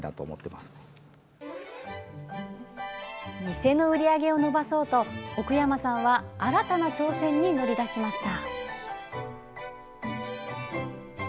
店の売り上げを伸ばそうと奥山さんは新たな挑戦に乗り出しました。